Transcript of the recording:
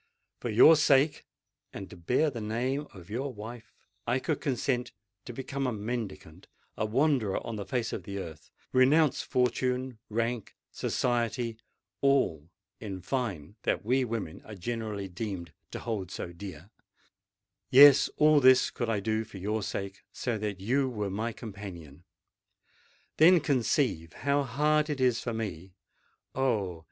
For your sake, and to bear the name of your wife, I could consent to become a mendicant—a wanderer on the face of the earth,—renounce fortune—rank—society—all, in fine, that we women are generally deemed to hold so dear,—yes, all this could I do for your sake, so that you were my companion! Then, conceive how hard it is for me—oh!